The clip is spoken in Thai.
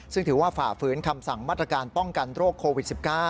ซึ่งถือว่าฝ่าฝืนคำสั่งมาตรการป้องกันโรคโควิด๑๙